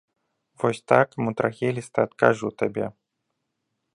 Вось так мудрагеліста адкажу табе.